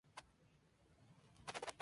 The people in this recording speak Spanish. Tienes un morro que te lo pisas